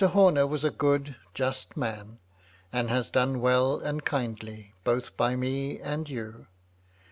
Homer was a good, just man ; and has done well and kindly, both by me and you.